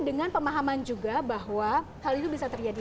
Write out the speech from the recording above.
dengan pemahaman juga bahwa hal itu bisa terjadi